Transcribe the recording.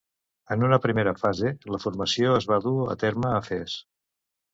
En una primera fase, la formació es va dur a terme a Fès.